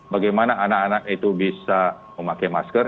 bagaimana anak anak itu bisa memakai masker